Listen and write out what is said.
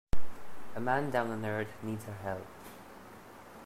A man down on earth needs our help.